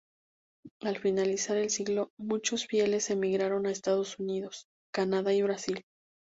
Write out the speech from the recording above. Al finalizar el siglo muchos fieles emigraron a Estados Unidos, Canadá y Brasil.